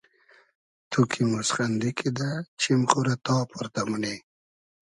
تو کی موسخئندی کیدہ چیم خو رۂ تا پۉرتۂ مونی